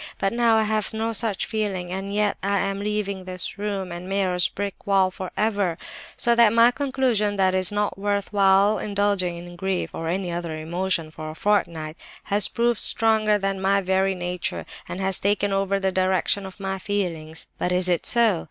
But now I have no such feeling, and yet I am leaving this room and Meyer's brick wall for ever. So that my conclusion, that it is not worth while indulging in grief, or any other emotion, for a fortnight, has proved stronger than my very nature, and has taken over the direction of my feelings. But is it so?